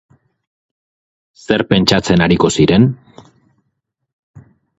Zer pentsatzen ariko ziren?